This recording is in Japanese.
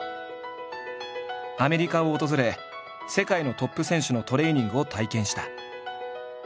アメリカを訪れ世界のトップ選手のトレーニングを体験した。